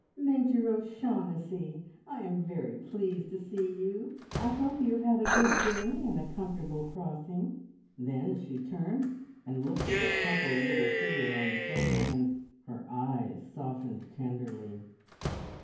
"Major O'Shaughnessy! I am very pleased to see you. I hope you have had a good journey and a comfortable crossing." Then she turned and looked at the crumpled little figure on the sofa, and her eyes softened tenderly.